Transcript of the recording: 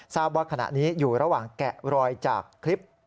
ว่าขณะนี้อยู่ระหว่างแกะรอยจากคลิป